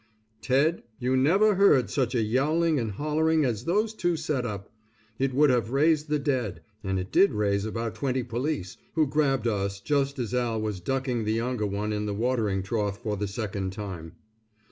Ted, you never heard such a yowling and hollering as those two set up. It would have raised the dead, and it did raise about twenty police, who grabbed us just as Al was ducking the younger one in the watering trough for the second time.